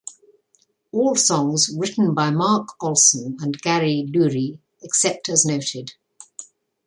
All songs written by Mark Olson and Gary Louris except as noted.